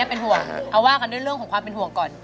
เอาว่ากับเรื่องของของเป็นห่วงก่อน